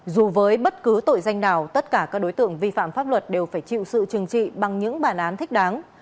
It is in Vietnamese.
dù với bất cứ tội danh nào tất cả các đối tượng vi phạm pháp luật đều phải chịu sự trừng trị bằng những bản án thích đáng